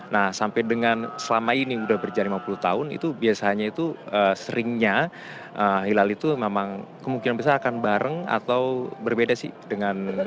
nah sampai dengan selama ini udah berjalan lima puluh tahun itu biasanya itu seringnya hilal itu memang kemungkinan besar akan bareng atau berbeda sih dengan